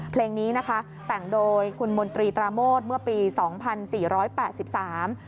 เพลงนี้นะคะแต่งโดยคุณมนตรีตราโมทเมื่อปีสองพันสี่ร้อยแปดสิบสาม